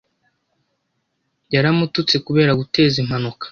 Yaramututse kubera guteza impanuka.